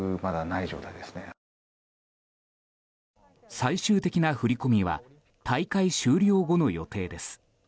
最終的な振り込みは大会終了後の予定です。